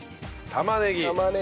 玉ねぎ。